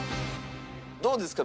どうですか？